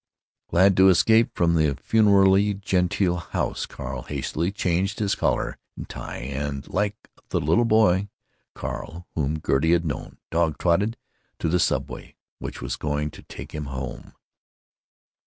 Glad to escape from the funereally genteel house, Carl hastily changed his collar and tie and, like the little boy Carl whom Gertie had known, dog trotted to the subway, which was going to take him Home.